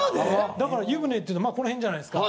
だから、湯船っていうとこの辺じゃないですか。